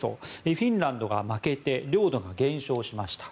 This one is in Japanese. フィンランドが負けて領土が減少しました。